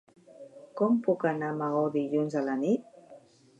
Com puc anar a Maó dilluns a la nit?